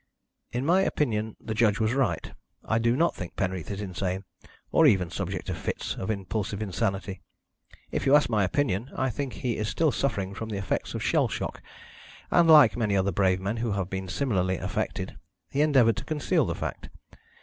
"In my opinion the judge was right. I do not think Penreath is insane, or even subject to fits of impulsive insanity. If you ask my opinion, I think he is still suffering from the effects of shell shock, and, like many other brave men who have been similarly affected, he endeavoured to conceal the fact.